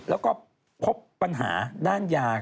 แล้วก็พบปัญหาด้านยา